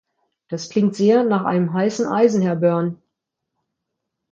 Das klingt sehr nach einem heißen Eisen, Herr Byrne.